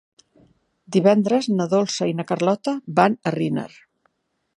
Divendres na Dolça i na Carlota van a Riner.